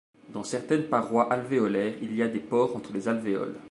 Dans certaines parois alvéolaires il y a des pores entre les alvéoles.